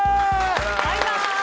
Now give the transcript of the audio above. バイバーイ！